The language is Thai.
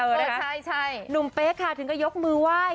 เอ้ยโอ้ยเอ้าเลยค่ะนุ่มเป๊ะคะถึงก็ยกมือไว้